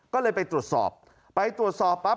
ก็เลยไปตรวจสอบไปตรวจสอบปั๊บ